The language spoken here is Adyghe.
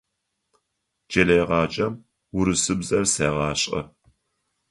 Кӏэлэегъаджэм урысыбзэр сегъашӏэ.